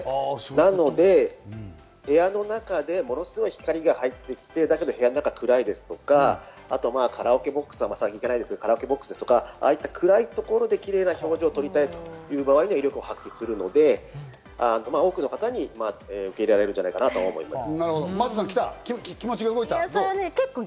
なので部屋の中でものすごい光が入ってきて、例えば家の中が暗いですとか、カラオケボックスですとか、ああいった暗いところでキレイな表情を撮りたいときには威力を発揮するので、多くの方に受け入れられるんじゃないかなと思います。